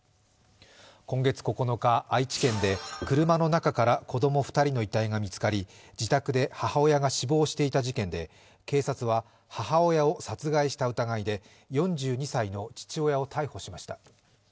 今月９日、愛知県で車の中から子供２人の遺体が見つかり自宅で母親が死亡していた事件で警察は母親を殺害した疑いで４２歳の父親を逮捕しました。